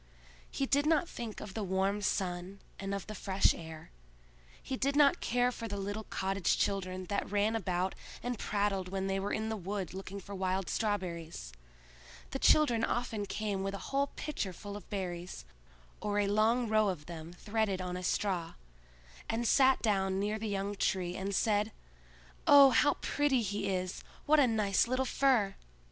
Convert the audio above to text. He did not think of the warm sun and of the fresh air; he did not care for the little cottage children that ran about and prattled when they were in the wood looking for wild strawberries. The children often came with a whole pitcher full of berries, or a long row of them threaded on a straw, and sat down near the young Tree and said, "Oh, how pretty he is! what a nice little fir!"